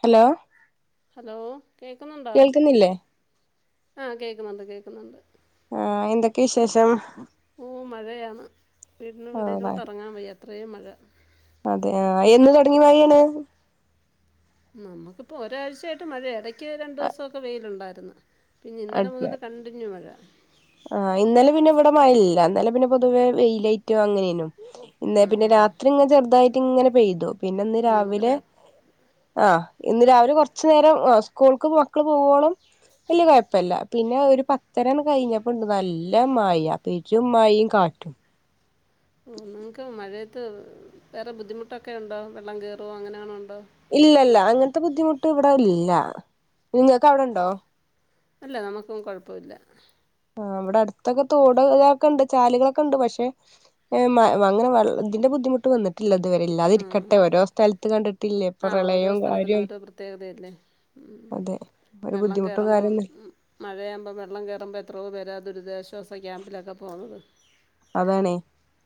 Hello hello കേക്കുന്നുണ്ടോ? കേൾക്കുന്നില്ലേ ആഹ് കേക്ക്ന്നൊണ്ട് കേക്ക്ന്നൊണ്ട് ആഹ് എന്തെക്കെ വിശേഷം ഓ മഴെയാണ് വീട്ട്ന് ആ വെളീലോട്ടെറങ്ങാൻ വയ്യ ത്രേം മഴ അതെ ആഹ് എന്ന് തൊടങ്ങിയ മഴയാണ്? നമ്മക്കിപ്പോ ഒരാഴ്ച്ചയായിട്ട് മഴയാ എടക്ക് രണ്ടൂസൊക്ക വെയിലൊണ്ടാര്ന്നു. പിന്നിന്നലെ മുതൽ കണ്ടിന്യൂ മഴ ആഹ് ഇന്നലെ പിന്നെ ഇവിടെ മയയില്ല ഇന്നലെ പിന്നെ പൊതുവേ വെയിലായിറ്റും അങ്ങനെയ്നും ഇന്നെ ആ ആ പിന്നെ രാത്രിങ്ങ് ചെറ്തായി റ്റിങ്ങന പെയ്തു പിന്നെന്ന് നമുക്ക് രാവിലെ രാ ആഹ് ഇന്ന് രാവിലെ കൊറച്ചു നേരം ആഹ് ഉസ്ക്കൂൾക്ക് മക്കള് പോവോളം വല്യ കൊഴപ്പയില്ല പിന്നെ ഒരു പത്തരൊന്ന് കഴിഞ്ഞ പ്പോണ്ട് നല്ല മയ, പെരും മയും കാറ്റും ഓ നിങ്ങ്ക്ക് മഴേത്ത് വേറെ ബുദ്ധിമുട്ടൊക്കെ ഒണ്ടോ, വെള്ളം കെറോ അങ്ങനെയാണൊണ്ടോ? ഇല്ലല്ല അങ്ങനത്തെ ബുദ്ധിമുട്ട് ഇവട ഇല്ല നിങ്ങക്ക് അവടൊണ്ടോ? അല്ല നമ്മക്കും കൊഴപ്പൊല്ല ആ ഇവടെ അടുത്തൊക്കെ തോട് ഇതാക്കണ്ട് ചാല്കളക്കണ്ട് പക്ഷെ ഏഹ് മ അങ്ങന വെള് ഇതിന്റ ബുദ്ധിമുട്ട് വന്നിട്ടില്ല ഇത് ഉം ഇപ്പൊ ആഹ് ഓരോ പ്രളയവും സ്ഥലത്തിനും കാര്യവും ഓരോ പ്രത്യേകതയല്ലേ ഉം അതെ ഒരു വെള്ളം ബുദ്ധിമുട്ടും കേറമ്പോം കാര്യൊന്നും മഴെയാവുമ്പം വെള്ളം കേറുമ്പ എത്രോ പേ ദുരിദാശ്വാസ ക്യാമ്പിലക്ക പോന്നത് അതാണ്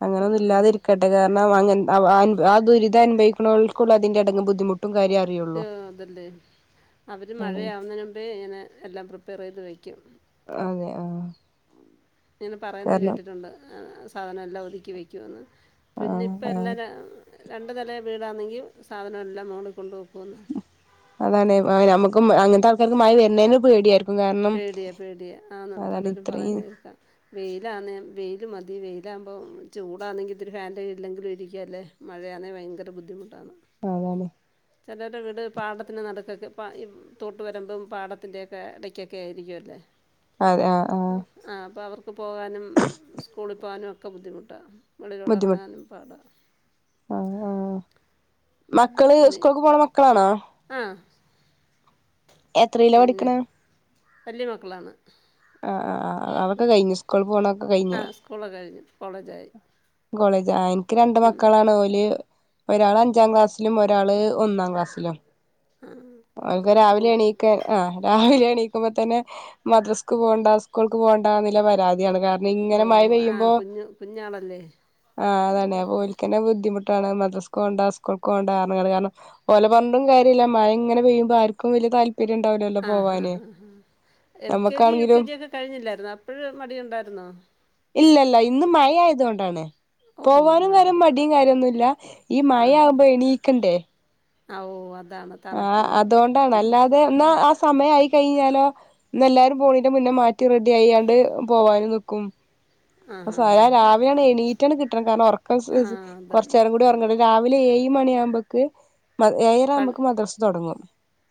അങ്ങനൊന്നും ഇല്ലാതെരിക്കട്ടെ കാരണം അങ്ങനെ - ആ ദുരിതം അനുഭവഇക്കുന്നവർക്ക് അതിന്റെ ബുദ്ധിമുട്ട് അറിയാൻ പറ്റുവ അതല്ലേ അവര് ആണ് മഴയാവുന്നനുമ്പേ ഇങ്ങന എല്ലാം പ്രിപ്പെറെയ്ത് വെയ്ക്കും അതെ ആഹ് അങ്ങന പറേന്ന കാരണം കേട്ടിട്ടുണ്ട് ആ സ് സാധനം എല്ലാം ഒതുക്കി വെയ്ക്കോന്ന് ആഹ് പിന്നിപ്പ ആഹ് എല്ലാം ര രണ്ട് നില വീടാന്നെങ്കി സാധനം എല്ലാം മോളി കൊണ്ടോം അതാണെ ആ ഞമ്മ [inaudible] അങ്ങൻത്ത ആൾക്കാർക്ക് മഴ വരുന്നത് പേടിയാരിക്കും - പേടിയ, പേടിയാ ആണ് പലരും ഇത്രയും പറയുന്ന കേൾക്കാം വെയിലാന്നെങ്കിൽ വെയില് മതി വെയിലാമ്പോ ചൂടാന്നെങ്കി ഇത്തിരി ഫാൻ്റ കീഴില്ലെങ്കിലും ഇരിക്കാല്ല മഴയാന്നെ ഭയങ്കര ബുദ്ധിമുട്ടാന്ന് അതാണ് ചെലര്ട വീട് പാടത്തിന് നട്ക്കൊക്കെ പാ ഇ തോട്ട് വരുമ്പും പാടത്തിന്റെ ഇടയ്ക്കു ഒക്കെ ആയിരിക്കുമല്ലേ അതെ ആഹ് ആഹ് ആ അപ്പൊ അവർ പോകാനും സ്കൂളിൽ പോകാനുമൊക്കെ ബുദ്ധിമൂട്ടാ വെളിയിലോട്ട് ഇറങ്ങാനും പാടാ [unintelligible] ആ ആ ആ മക്കള് പിന്നെ സ്കൂൾക്ക് പോണ മക്കളാണോ? ആ എത്രയില പഠിക്കണേ വല്യമക്കളാണ്. അഹ് അഹ് അതൊക്കെ കഴിഞ്ഞ് സ്കൂൾ പോണ ങ സ്കൂളൊക്കെ കഴിഞ്ഞു. കോളേജായി. കോളജ് ആയി. എനിക്ക് രണ്ട് ഉം. മക്കളാണ്. ഓല് ഒരാള് അഞ്ചാം ക്ലാസ്സിലും. ഒരാള് ഒന്നാം ക്ലാസ്സിലും. ആ ഓനൊക്കെ രാവിലെ ഓ എണീക്കാൻ. അ രാവിലെ എണീ ക്കുമ്പോ തന്നെ മദ്രസക്ക് പോണ്ടാ സ്കൂൾക്ക് പോണ്ടാന്നി ള്ളെ പരാതിയാണ്. കാര ഓ ഇങ്ങനെ മഴ ആ പെയ്യുമ്പോ കുഞ്ഞ് കുഞ്ഞാളല്ലേ ആ അതാണ്. ഓൽക്ക്‌ ന്നെ ബുദ്ധിമുട്ട് മദ്രസക്കോണ്ടാ സ്കൂളുക്കോണ്ടാ റിഞ്ഞാണ്ട് കാരണം. ഒലെ പറഞ്ഞിട്ടു കാര്യല്ല മഴ ഇങ്ങനെ പെയ്യുമ്പോ ആര്ക്കും വല്ല്യ താല് ആ ആ ആ എൽ കെ ജി യു നമ്മക്കാണെങ്കിലും കെ ജി ഒക്കെ കഴിഞ്ഞില്ലായിരുന്നോ? അപ്പഴും മടി ഉണ്ടായിരുന്നോ? ഇല്ലലല്ല. ഇന്ന് മഴ ആയതുകൊണ്ടാണ്. ഓ പോവാനും മഴ വരും മടി കാര്യം കാര്യന്നുല്ല. ഈ മഴയാകുമ്പോ എണീക്കണ്ടേ? അവോ അത് ആ അതുകൊണ്ടാണ് അല്ലാതെ ഒന്നാ സമയായി കഴിഞ്ഞാലോ ഇന്നെല്ലാരും പോണെന്റെ മുന്നെ മാറ്റ് റെഡിയയാണ്ട് പോവായിരുന്നു ക്കും ആ ഹാ ഹാ സാധാ ഹാ രാവിലെയാണ് എണീറ്റണ്ട് കിട്ടണ്ടെ കാരണം ഒറക്കം ആ അതാണ് കൊറച്ചനേരം കൂടി ഉറങ്ങണ് രാവിലെ എയ് മണി ആവുമ്പക്ക് ഏയര പൺ ആവുമ്പക്ക് മദ്രസ് തൊടങ്ങും.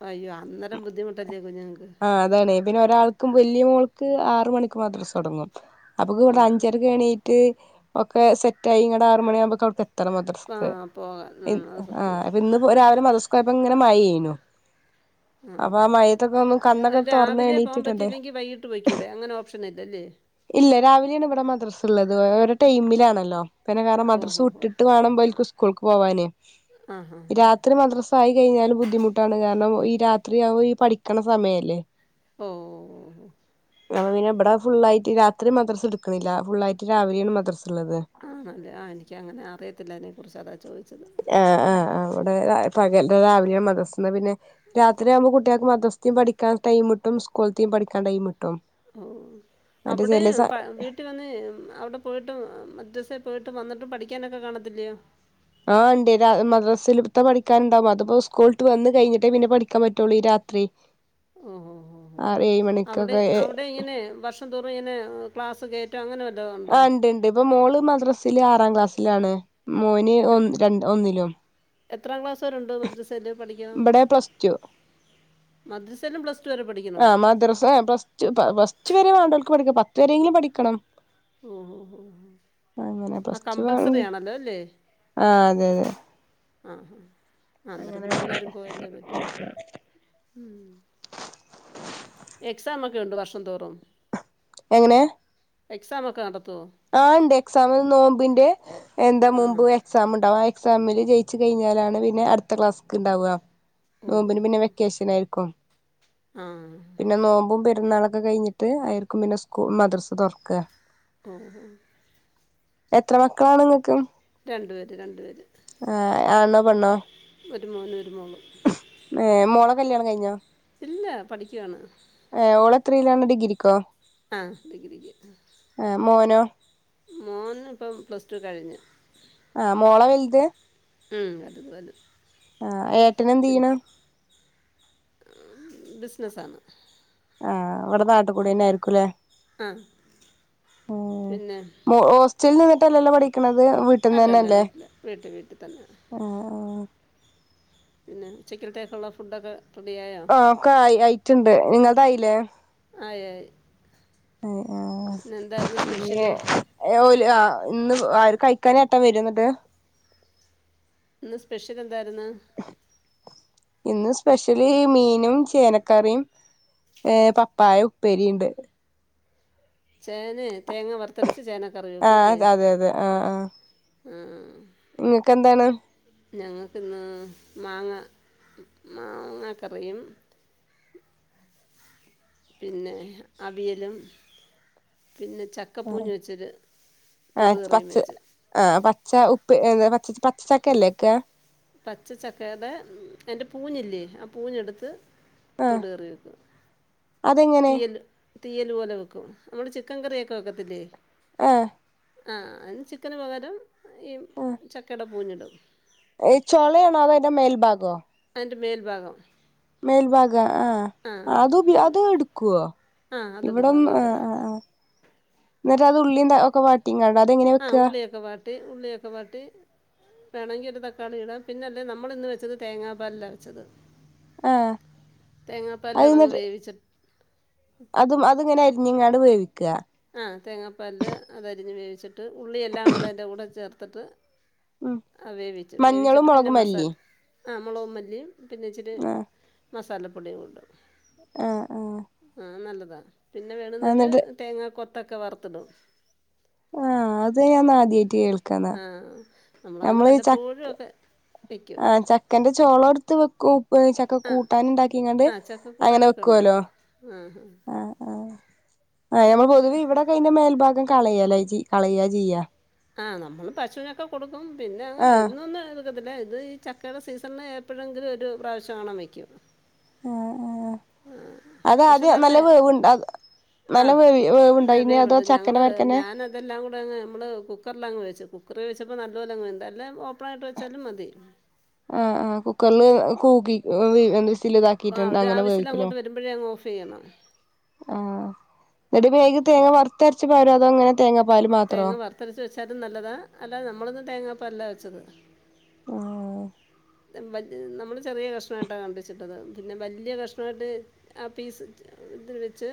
അയ്യോ അന്നേരം ബുദ്ധിമുട്ടല്ലേ കുഞ്ഞുങ്ങൾക്ക് ആ അതാണ് എബിൻ ഒരാൾ ക്കും വല്യമോൾക്ക് ആറ് മണിക്ക് മദ്രസ തുടങ്ങും. ഓ അപ്പോക്കവിടെ അഞ് സീറ്റ്‌ ഒക്കെ സെറ്റായി [inaudible] ആറ് മണിയാമ്പോ [unintelligible] ആ മദർസക്ക് പോകാം ഉം, അത് സത്യം അപ്പൊ ഇന്ന് രാവിലെ [unintelligible] ചിലപ്പോൾ ഇങ്ങനെ മഴ പെയ്യുന്നു അപ്പൊ ആ മഴത്തൊക്കെ ഒന്നും ആ. കണ്ണൊക്കെ തൊറന്ന് രാവിലെ പോകാൻ എണീറ്റിട്ടുണ്ടേ പറ്റിയില്ലെങ്കിൽ വൈകിട്ട് പോയിക്കൂടെ അങ്ങനെ ഓപ്ഷൻ ഇല്ലല്ലേ ഇല്ല രാവിലെയാണ് ഇവിടെ [inaudible] [inaudible] ത് ടൈമിലാണല്ലോ നേരെ കാരണം ഓ മദ്രസ ഹോ ഹോ വിട്ടിട്ട് വേണം കാണുമ്പോ ആ ഹാ [unintelligible] ഹാ. രാത്രി മദ്രസ ആയി കഴിഞ്ഞാല് ബുദ്ധിമുട്ടാണ് കാരണം- ഈ രാത്രിയാവോ പഠിക്കണ സമയല്ലേ ഓ ഓ ഓ അപ്പ പിന്നെ ഇവിടെ ഫുളായിട്ട് രാത്രി മദ്രസ എടുക്കണില്ല ഫുള്ളായിട്ട് രാവിലെയാണ് മദ്ര ആണല്ലേ ആ എനിക്ക് അങ്ങനെ അറിയത്തില്ല അതിനെകുറിച്ച് അതാ ചോദി ആ ആ അവിടെ പകല് രാവി- [unintelligible] പിന്നെ രാത്രി ആകുമ്പോ കു കുട്ടികൾക് മദ്രസ്തേ പഠിക്കാൻ ടൈമ്കിട്ടും സ്കൂളിലത്തേ പഠിക്കാൻ ടൈമ് ഓ അവിടെ പ വീട്ടിൽ വന്ന് അവിടെ പോയിട്ട് മദ്രസേ പോയിട്ട് വന്നിട്ട് പഠിക്കാനൊക്കെ കാണത്തില്ലിയോ ആ ഉണ്ട് മദ്രസല്ത്തെ പഠിക്കാൻ ഉണ്ടാവും അതിപ്പോ സ്കൂള് വിട്ട് വന്ന് കഴിഞ്ഞിട്ടേ പിന്നെ പഠിക്കാൻ പറ്റുള്ളൂ രാത്രി ഓഹോഹോ ആറ് ഏഴ് അവിടെ മണിക്കൊക്കെ അവിടെ ഇങ്ങനെ വർഷം തോറും ഇങ്ങനെ ക്ലാസ്സ് ക അങ്ങനൊരു ആ ഇണ്ട് ഇണ്ട് ഇപ്പൊ മോള് മദ്രസ ആറാം ക്ലാസ്സിലാണ് മോന് ഓൻ എത്- രണ്ടിലും എത്രാം ക്ലാസ്സ ഇവിടെ പ്ലസ്ടു മദ്രസയിലും പ്ലസ് ടു വരെ പഠിക്കണോ ആ മദ്രസ പ്ലസ്ടു പ്ലസ്ടു വരെ വേണ്ട പഠിക്ക പത്ത് വരെയെങ്കിലും പഠിക്കണം ഓ ഓ ഓ അങ്ങനെ ആ പ്ലസ് ടു കമ്പൾസറി ആണെങ്കി ആണല്ലോ അല്ലേ ആഹ് അതെ അതെ ഓ ഓ അന്നേരം അങ്ങനെ പിന്നെ എല്ലാരും പോയല്ലേ പറ്റു എക്സാം രണ്ട് വർഷം തോറും എങ്ങനെ എക്സാം ഒക്കെ നട ആ ഇണ്ട് എക്സാമിന് നോമ്പിന്റെ എന്താ ആ മുമ്പ് എക്സാം ഉണ്ടാവും എക്സാമില് ജയിച്ചു കഴിഞ്ഞാലാണ് പിന്നെ അടുത്ത ക്ലാസ്സ്ക്ക് ഉണ്ടാവുക ഓ ഓ നോമ്പിന് പിന്നെ ഓ വെക്കേഷനായിരിക്കും ആ പിന്നെ നോമ്പും പേര് ന്നാളൊക്കെ കഴിഞ്ഞിട്ട് ആയിരിക്കും പിന്നെ സ്കൂളും മദ്രസ തൊറക്ക ആ ഉം ഉം എത്ര മക്കളാണ് നിങ്ങക്ക് രണ്ടു പേര് രണ്ടു പേര് ആഹ് ആണോ പെണ്ണോ ഒരു മോനും ഒര് മോളും ഏ മോളെ കല്യാണം കഴിഞ്ഞോ ഇല്ല പഠിക്കയാണ് ഏ ഓളെത്രീലാണ് ഡിഗ്രിക്കോ ആഹ് ഡിഗ്രിക്ക് ആ മോനോ മോന് ഇപ്പം പ്ലസ് ടു കഴിഞ്ഞു ആഹ് മോളാ വൽത് ഉം അത് വലുത് ആഹ് പിന്നെ ഏട്ടനെന്തീയ്യ്ണ്? ബിസ്നസ്സാണ്. ആഹ് അവടെ നാട്ടുകൂടെന്നായിരിക്കുല്ലേ ആ ഏ പിന്നെ മോ ഹോസ്റ്റൽന്ന് ട്ടല്ലല്ലോ പഠിക്കണത് വീട്ടിൽ നിന്ന് അല്ലല്ല തന്നെയല്ലേ വീട്ടില് വീട്ട് വീട്ട്തന്നെ ആ ആ പിന്നെ ഉച്ചക്കൽത്തേക്കുള്ള ഫുഡൊക്കെ റെഡിയായോ ആഹ് ഒക്കെ ആയി അയിറ്റ് ണ്ട് ങ്ങളതായിലെ ആയി ആയി ആയി ഇന്നേന്തായിരുന്നു സ്പെഷ്യല് ആ ഇന്ന് ആര് കഴിക്കാനേട്ടൻ വരോന്ന്ട്ട് ഇന്ന് സ്പെഷ്യൽ എൻ ന്തായിരുന്നു ഇന്ന് സ്പെഷ്യല് മീനും ചേനക്കറിയും ഏ പപ്പായഉപ്പേരീണ്ട്. ചേനേ തേങ്ങ വറ്ത്തരച്ച് ചേന കറി ആഹ് വെക്കുല്ലേ അതെ അതെ അതെ ആഹ് ആഹ് ആഹ് നിങ്ങൾക്ക് എന്താണ് ഞങ്ങക്ക്ന്ന് മാങ്ങ മാങ്ങക്കറിയും പിന്നെ അവിയലും പിന്നെ ചക്കപ്പൂഞ്ഞ് വെച്ചിത് തൊട് കറിയും വെച്ച് ച്ച ഉപ്പ് എന്താ പച്ച പച്ചച്ചക്കല്ലേ ക്ക്ആ പച്ചച്ചക്കടെ എന്റെ പൂഞ്ഞില്ലേ ആ പൂഞ്ഞെട്ത്ത് ആഹ് തൊടറി, അതെങ്ങനെ തീയല് തീയൽ പോലെ വെക്കും നമ്മള് ചിക്കൻ കറിയൊക്കെ വെക്കത്തില്ലേ ആ ആ അതിന് ചിക്കന് പകരം ഈ ചക്കടെ പൂഞ്ഞിടും ചൊളയാണോ അതോ അതിന്റെ മേൽഭാഗോ ന്റെ മേൽഭാഗം മേൽഭാഗ ആ അത് ഉപയോ അതും എടുക്കോ ആ അതെടുക്കാ അത്‌ നല്ലതാ എന്നിട്ട് അത് ഉള്ളി തൊക്കെ വാട്ടി റ്റിങ്ങ അതെങ്ങനെ വെക്കാ ട്ടി ഉള്ളിയൊക്കെ വാട്ടി വേണമെങ്കി ഒരു തക്കാളി ഇടാം പിന്നല്ലേ നമ്മള് ഇന്ന് വെച്ചത് തേങ്ങാപ്പാലില വെച്ചത് ആ തേങ്ങാപ്പാലിൽ അത്ന്നി അതങ്ങ് ട്ട് വേവിച്ച് അതും അത്ങ്ങനെ ഞ്ഞുങ്ങാട് വേവിക്ക ആ തേങ്ങാപാലില് അതരിഞ്ഞ് വേവിച്ചിട്ട് ഉള്ളിയ എല്ലാം കൂടെ അയിന്റെ കൂടെ ചേർത്തിട്ട്..... ഉം ആ വേവിച്ചു മഞ്ഞളും വേവിച്ചിട്ട് പിന്നെ മുളകും മസാല.... മല്ലിയും ആ മുളകു മല്ലി പിന്നെ ഇച്ചിരി.... ആഹ് മസാലപ്പൊടിയും ഉണ്ട് ആഹ് ആഹ് ആ നല്ല താ.... വ പിന്നെ വേണുന്നര് എന്നിട്ട് തേങ്ങ പാ..... കൊത്തൊക്കെ വർത്തിടും ആ അത് ഞാൻ ആദ്യായിട്ട് കേൾക്കാന്ന ആ നമ്മളങ്ങനെ നമ്മൾ ഈ ചക്ക വല്ലപ്പോഴും ഒക്കെ വയ്ക്കും ആഹ ചക്കന്റെ ചോള ത്ത് വെക്കൂ ചക്ക ആ കൂട്ടാന ഉണ്ടാക്കിങ്ങാണ്ട് ആ അങ്ങനെ ചക്കക്കൂട്ടാനൊക്കെ വെക്കുല്ലോ ഉണ്ടാക്കും ആ ഹാ ആഹ ആ ആഹ്ഞമ്മൾ പൊതുവ ഇവിടെ കഴിഞ്ഞ മേൽഭാഗം കളയലെ ചികളയ ചെയ്യ ആ നമ്മൾ പശുവിനൊക്കെ കൊടുക്കും ക്കും പിന്നെ ആഹ് എന്നൊന്ന് ല് ഇത് ഈ ചക്കയുടെ സീസണന് എപ്പോഴെങ്കിലും ഒരു പ്രാവശ്യം കാണ വെക്കും ആ ആ പക്ഷെ നല്ല വേവുണ്ട് അത് നല്ല വേവ് വേവുണ്ടോ അയിന് അതോ വെവുണ്ട് ചക്കന്റെ ഞങ്ങള് മാരിക്കന്നെ ഞാന അതെല്ലാം കൂടെങ് നമ്മള് കുക്കറിലങ്ങ് വേവിച്ചു കുക്കറി വെച്ചപ്പോൾ നല്ല പോല്ലലങ്ങ ഉണ്ട് എല്ലാം ഓപ്പൺ ആായിട്ട് വെച്ചാലും മതി ആ ആ കുക്കറില് കൂകി ആ [unintelligible] ഒരു അങ്ങനെ ആവശ്യത്തിൽ വേവിക്കലാ അങ്ങോട്ട് വരുമ്പോഴേ അങ്ങ് ഓഫ് ചെയ്യണം ആ വേഗ തേങ്ങ വറത്തരച്ച് [inaudible] അതോങ്ങനെ തേങ്ങ വറത്തരച്ച് വെച്ചാലും നല്ലതാ അല്ല നമ്മളൊന്നും തേങ്ങ ഇപ്പല്ല വെച്ചത് ആ നമ്മള് ചെറിയ കഷ്ണമായിട്ടാണ് കണ്ടിച്ചിട്ടത് പിന്നെ വലിയ കഷ്ണമായിട്ട് ആ പീസ് ഇതിന് വെച്ച്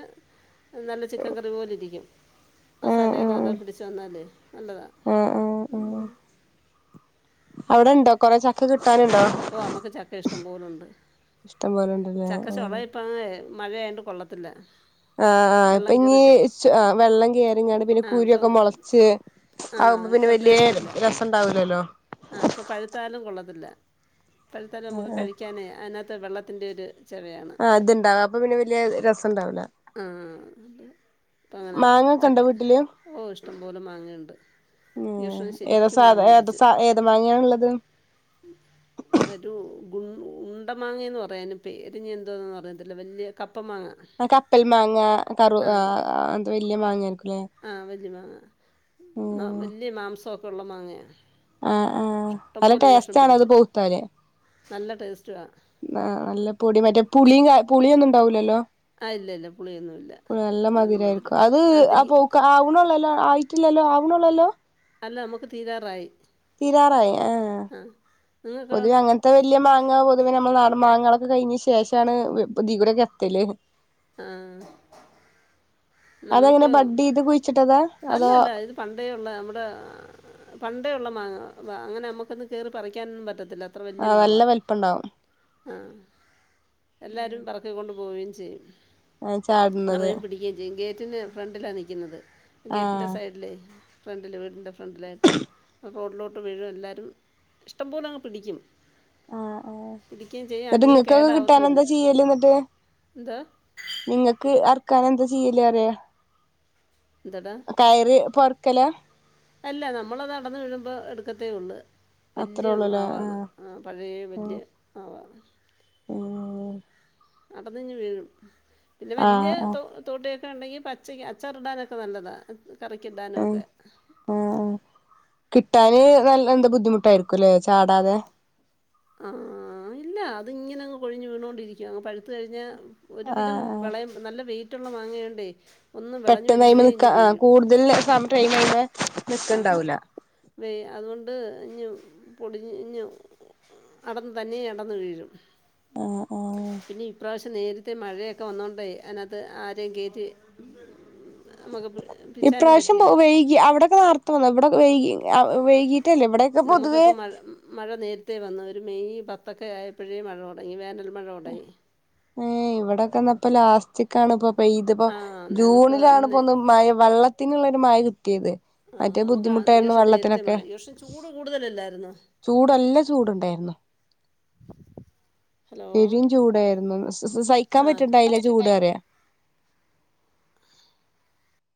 നല്ല ചിക്കൻ കറി പോലെ ഇരിക്കും ആഹ് മസാലയൊക്കെ നല്ലപോലെ ആഹ് പിടിച്ചു വന്നാല് നല്ലതാ ഉം അവിടെണ്ടോ കൊറെ ചക്ക കി ഓ അമ്മക്ക് ചക്ക ഇഷ്ടംപോലുണ്ട് ഇഷ്ടം പോലെ ഉണ്ടല്ലേ ചക്ക ആഹ് ചൊള ഇപ്പാ മഴയായൊണ്ട് കൊള്ളത്തില്ല ആ ആ ഇപ്പൊ വെള്ളം ഇനി കയറിയിട്ടേ വെള്ളം കേയറങ്ങാണ്ട് പിന്നെ ആ ഇപ്പം കുരിയൊക്കെ മുളച്ച് ആ ആകുമ്പോ പിന്നെ ഇപ്പം വല്യ ടേസ്റ്റ് ഇല്ല രസം ഉണ്ടാവൂലല്ലോ തല്ല പല തരം നമുക്ക് കഴിക്കാന് അതിന വെള്ളത്തിൻ്റെ ഒരു ചവയാണ് ആഹ് ഇത്ണ്ടാവും അപ്പൊ പിന്നെ വലിയ രസം ഉണ്ടാവൂല ആ ഇപ്പം അങ്ങനെ മാങ്ങ ഒക്കെ ഉണ്ടോ ചക്ക് വീട്ടില് ഓ ഇഷ്ടം പോലെ മാങ്ങയുണ്ട് ഈ ഉം വർഷം ഏതാ ശരിക്കും സാധ മാങ്ങ ഏത പിടിച്ച് സ ഏത് മാങ്ങയാണുള്ളത് ഒരു ഉണ്ട മാങ്ങന്ന് പറയാന് പേര് എന്തോന്ന് പറയത്തില്ല വല്യ കപ് ആ കപ്പൽ മാങ്ങ കറു ആ എന്ത വലിയ മാങ്ങായിരിക്കുംല്ലേ ആ വലിയ മാങ്ങ ഉം വലിയ മാംസം ഒക് ഒള്ള മാങ്ങയാ ആ ആ നല്ല ടേസ്റ്റ ആണ അത് പിടിച്ച് പൗതാല് നല്ല ടേസ്റ്റുമാണ് നല്ല പൊടി മറ്റെ പുളി പുളി ഒന്നും ണ്ടാവുലല്ലോ ആ ഇല്ല ഇല്ല പുളിയൊന്നുമില്ല നല്ല മത് മധുരം രായിരിക്കുഅത് അത് അ ഈ- പൗക്ക അവ്നൊള്ളോ ലോ അവ്നോള്ളോ ലോ അല്ല നമുക്ക് തീരാറായി തീരാറായി ആ ആ നിങ്ങൾക്കോ പൊതുവെ അങ്ങനത്തെ വലിയ മാങ്ങ പൊതുവെ നമ്മൾ നാ മാങ്ങകളൊക്കെ കഴിഞ്ഞ് ശേഷാണ് [inaudible] [unintelligible] ആ അതങ്ങനെ നമുക്ക് ബഡ് ചെയ്ത് കുഴിച്ചിട്ടതാ അതോ അല്ലല്ല ഇത് പണ്ടേയുള്ള നമ്മുടെ പ പണ്ടേ യുള്ള മാങ്ങ അങ്ങനെ നമുക്കൊന്നും കേറി പറിക്കാനും പറ്റത്തില്ല അത്ര ആ വല്യ നല്ല മാവാ. വല്പണ്ടാവും ആ എല്ലാരും പറക്കിക്കൊണ്ട് പോയി [unintelligible] ആഹ് ചാട്ണത് ഗേറ്റിന് ഫ്രണ്ടിലാ നിക്കുന്നത് ആ ഗേറ്റിന്റെ സൈഡിലെ ഫ്രണ്ടില് വീടിന്റെ ഫ് ഫ്രണ്ടിലായിട്ട് ഓ റോഡിലോട്ട് വീഴും എല്ലാരും ഇഷ്ടംപോല അങ്ങ് പിടിക്കും ആഹ് ആഹ് പിടിക്കുകയും ചെയ്യും. എന്നിട്ട് അധികം നിങ്ങക്കൊക്കെ കേടാവത്തുമില്ല. കിട്ടാനെന്താ ചെയ്യല് എന്നിട്ട് എന്തോ? നിങ്ങക്ക് ആർ ട്ടാൻ എന്താ ചെയ്യൽ അറിയൊ എന്തെടാ? കയറി പൊറ ക്കലാ അല്ല നമ്മൾ നടന്ന് വീഴുമ്പോ എടുക്കത്തേ ഉള്ള് അത്രേ വല്യ ഉള്ളൂല്ലേ മാവാണ് ആഹ് പഴയെ വല്യ ആഹ് മാവാണ്. ഉം നടന്നിഞ്ഞ് വീഴും പിന്നെ ആഹ് വല്യെ ആഹ് തോ തോട്ടയൊ ഒക്കെ ഉണ്ടെങ്കിൽ പച്ചക്ക് അച്ചാറിടാനൊക്കെ നല്ലതാ ആഹ് കറിക്കിടാനൊക്കെ ട്ടാന് നല്ല എന്ത്‌ ബുദ്ധിമുട്ടായിരിക്കുംല്ലേ ചാടാതെ ആഹ് ഇല്ല അത് ഇങ്ങനെങ്ങ് കൊഴിഞ്ഞ് വീണോണ്ടിരിക്കും അങ്ങ് പഴുത്ത കഴിഞ്ഞാ ആഹ് ഒരുവിധം ആഹ് വിളയും നല്ല വെയി യിറ്റുള്ള മാങ്ങയാണ്ടേയ് പെട്ടന്നയിമ നിൽക്ക ആ കൂടുതൽ സമയ [unintelligible] ആഹ് വേ അതുകൊണ്ട് തഞ്ഞും പൊടിഞ്ഞും അടന്ന് തന്നേ അടന്ന് വീഴും ആഹ് ആഹ് പക്ഷെ നേരത്തെ മഴയൊക്കെ വന്നുകൊണ്ടേ അതിനകത്ത് ആരെയും കേറ്റി ഇപ്രാവശ്യം പോ വൈകി അവിടൊക്കെ നർ ത്തുന്ന ഇവ്ട വൈകി ആ വൈകീറ്റല്ലേ ഇവിടൊക്കെ പൊതുവേ നമുക്കൊക്കെ മഴ മഴ നേരത്തെ വന്നു ഒരു മെയ് പത്തൊക്കെ ആയപ്പഴേ മഴ തൊടങ്ങി വേനൽ മഴ തൊടങ്ങി ഏ ഇവിടെക്കെന്നപ്പ ലാസ്റ്റക്കാണ് ഇപ്പൊ ഇതിപ്പോ ആ ഞങ്ങൾക്ക് ജൂണിലാണ് ഇപ്പൊ അന്ന് ഒന്ന് മഴ വെള്ളത്തിനുള്ള [unintelligible] മറ്റേത് ആ മറ്റേ നമുക്ക് ആ ഈ ബുദ്ധിമുട്ടായിരുന്നു വർഷം നേരത്തെ വെള്ളത്തിനൊക്കെ മഴ ഈ വർഷം ചൂട് കൂടുതലല്ലായിരുന്നോ ചൂടല്ല ചൂടുണ്ടായിരുന്നു ഹലോ പെരും ചൂടായിരുന്നു സ സ സഹിക്കാൻ പറ്റിണ്ടായില്ല ആ ചൂട് പറയാ